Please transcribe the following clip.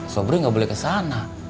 sobri gak boleh kesana